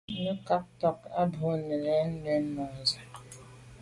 Nə̀ cà gə tɔ́k á bû nə̀ lɛ̌n yù môndzə̀.